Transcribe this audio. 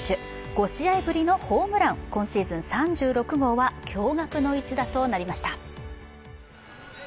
５試合ぶりのホームラン、今シーズン３６号は驚がくの一打となりました。